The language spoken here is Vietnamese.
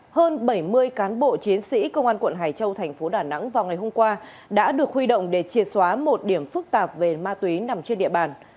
hơn bảy mươi cán bộ chiến sĩ công an tp hcm vào ngày hôm qua đã được huy động để triệt xóa một điểm phức tạp về ma túy nằm trên địa bàn